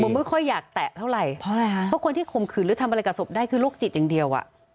ผมไม่ค่อยอยากแตะเท่าไหร่เพราะคนที่คมขืนหรือทำอะไรกับศพได้คือลูกจิตอย่างเดียว